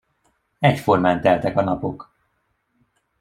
Egyformán teltek a napok.